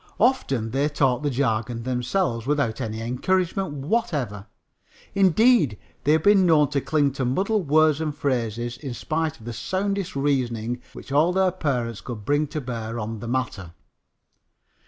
Often they talk the jargon themselves without any encouragement whatever. Indeed, they have been known to cling to muddled words and phrases in spite of the soundest reasoning which all their parents could bring to bear on the matter.